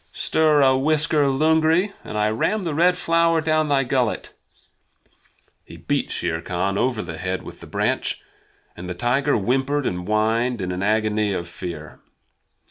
Stir a whisker, Lungri, and I ram the Red Flower down thy gullet!" He beat Shere Khan over the head with the branch, and the tiger whimpered and whined in an agony of fear.